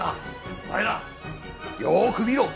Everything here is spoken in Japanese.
お前らよく見ろ！